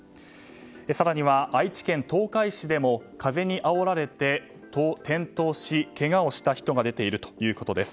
更には愛知県東海市でも風にあおられて、転倒しけがをした人が出ているということです。